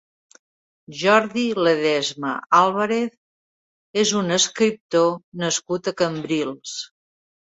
Jordi Ledesma Álvarez és un escriptor nascut a Cambrils.